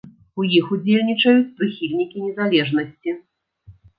У іх удзельнічаюць прыхільнікі незалежнасці.